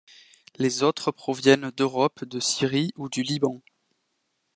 Les autres proviennent d'Europe, de Syrie ou du Liban.